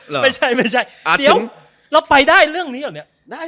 เดี๋ยวเราไปได้เรื่องนี้หรอเนี่ย